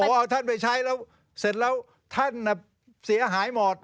พอเอาท่านไปใช้แล้วเสร็จแล้วท่านเสียหายหมด